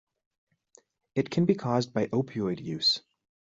It can be caused by opioid use.